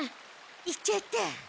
言っちゃった。